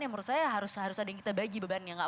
yang menurut saya harus ada yang kita bagi bebannya